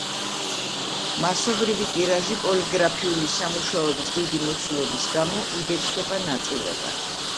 მასობრივი ტირაჟი პოლიგრაფიული სამუშაოების დიდი მოცულობის გამო იბეჭდება ნაწილებად.